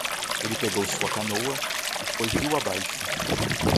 Ele pegou sua canoa e foi rio abaixo.